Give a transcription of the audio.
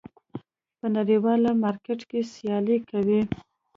په نړیوال مارکېټ کې سیالي کوي.